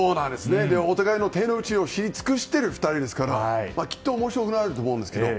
お互いの手の内を知り尽くしている２人ですからきっと面白くなると思うんですけど。